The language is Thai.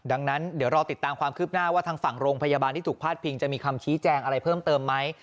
ดังนั้นเดี๋ยวรอติดตามความคืบหน้าว่าทางฝั่งโรงพยาบาลที่ถูกพาดพิงจะมีคำชี้แจงอะไรเพิ่มเติมไหม